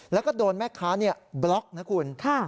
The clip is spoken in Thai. แล้วก็โดนแม่ค้าบล็อกนะคุณ